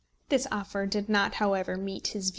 This offer did not however meet his views.